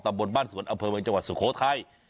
ตรงบนบ้านสวนเอาเเบิงจังหวัดสุโขทัย